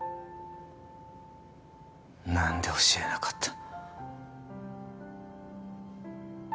何で教えなかった？